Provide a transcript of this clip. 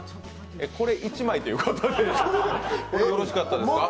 これ１枚ということでよろしかったですか？